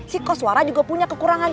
si koswara juga punya kekurangan